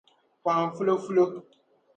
pɔhim fulofulo.